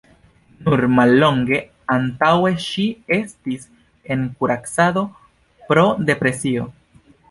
Nur mallonge antaŭe ŝi estis en kuracado pro depresio.